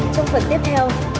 chương trình tiếp theo